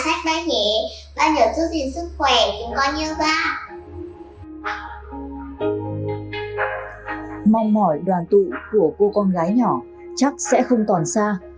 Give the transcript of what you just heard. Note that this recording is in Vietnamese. mong mỏi đoàn tụ của cô con gái nhỏ chắc sẽ không còn xa